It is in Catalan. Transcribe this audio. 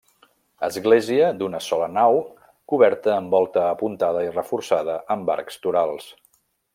Església d'una sola nau coberta amb volta apuntada i reforçada amb arcs torals.